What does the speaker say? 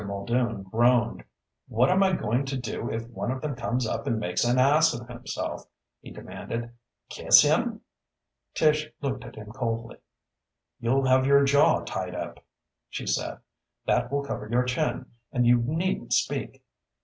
Muldoon groaned. "What am I going to do if one of them comes up and makes an ass of himself?" he demanded. "Kiss him?" Tish looked at him coldly. "You'll have your jaw tied up," she said. "That will cover your chin, and you needn't speak.